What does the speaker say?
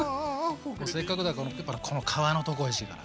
せっかくだからやっぱりこの皮のとこおいしいから。